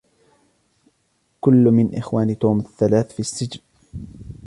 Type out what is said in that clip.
كلّ من إخوان توم الثّلاث في السّحن.